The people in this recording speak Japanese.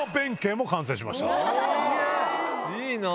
いいなぁ！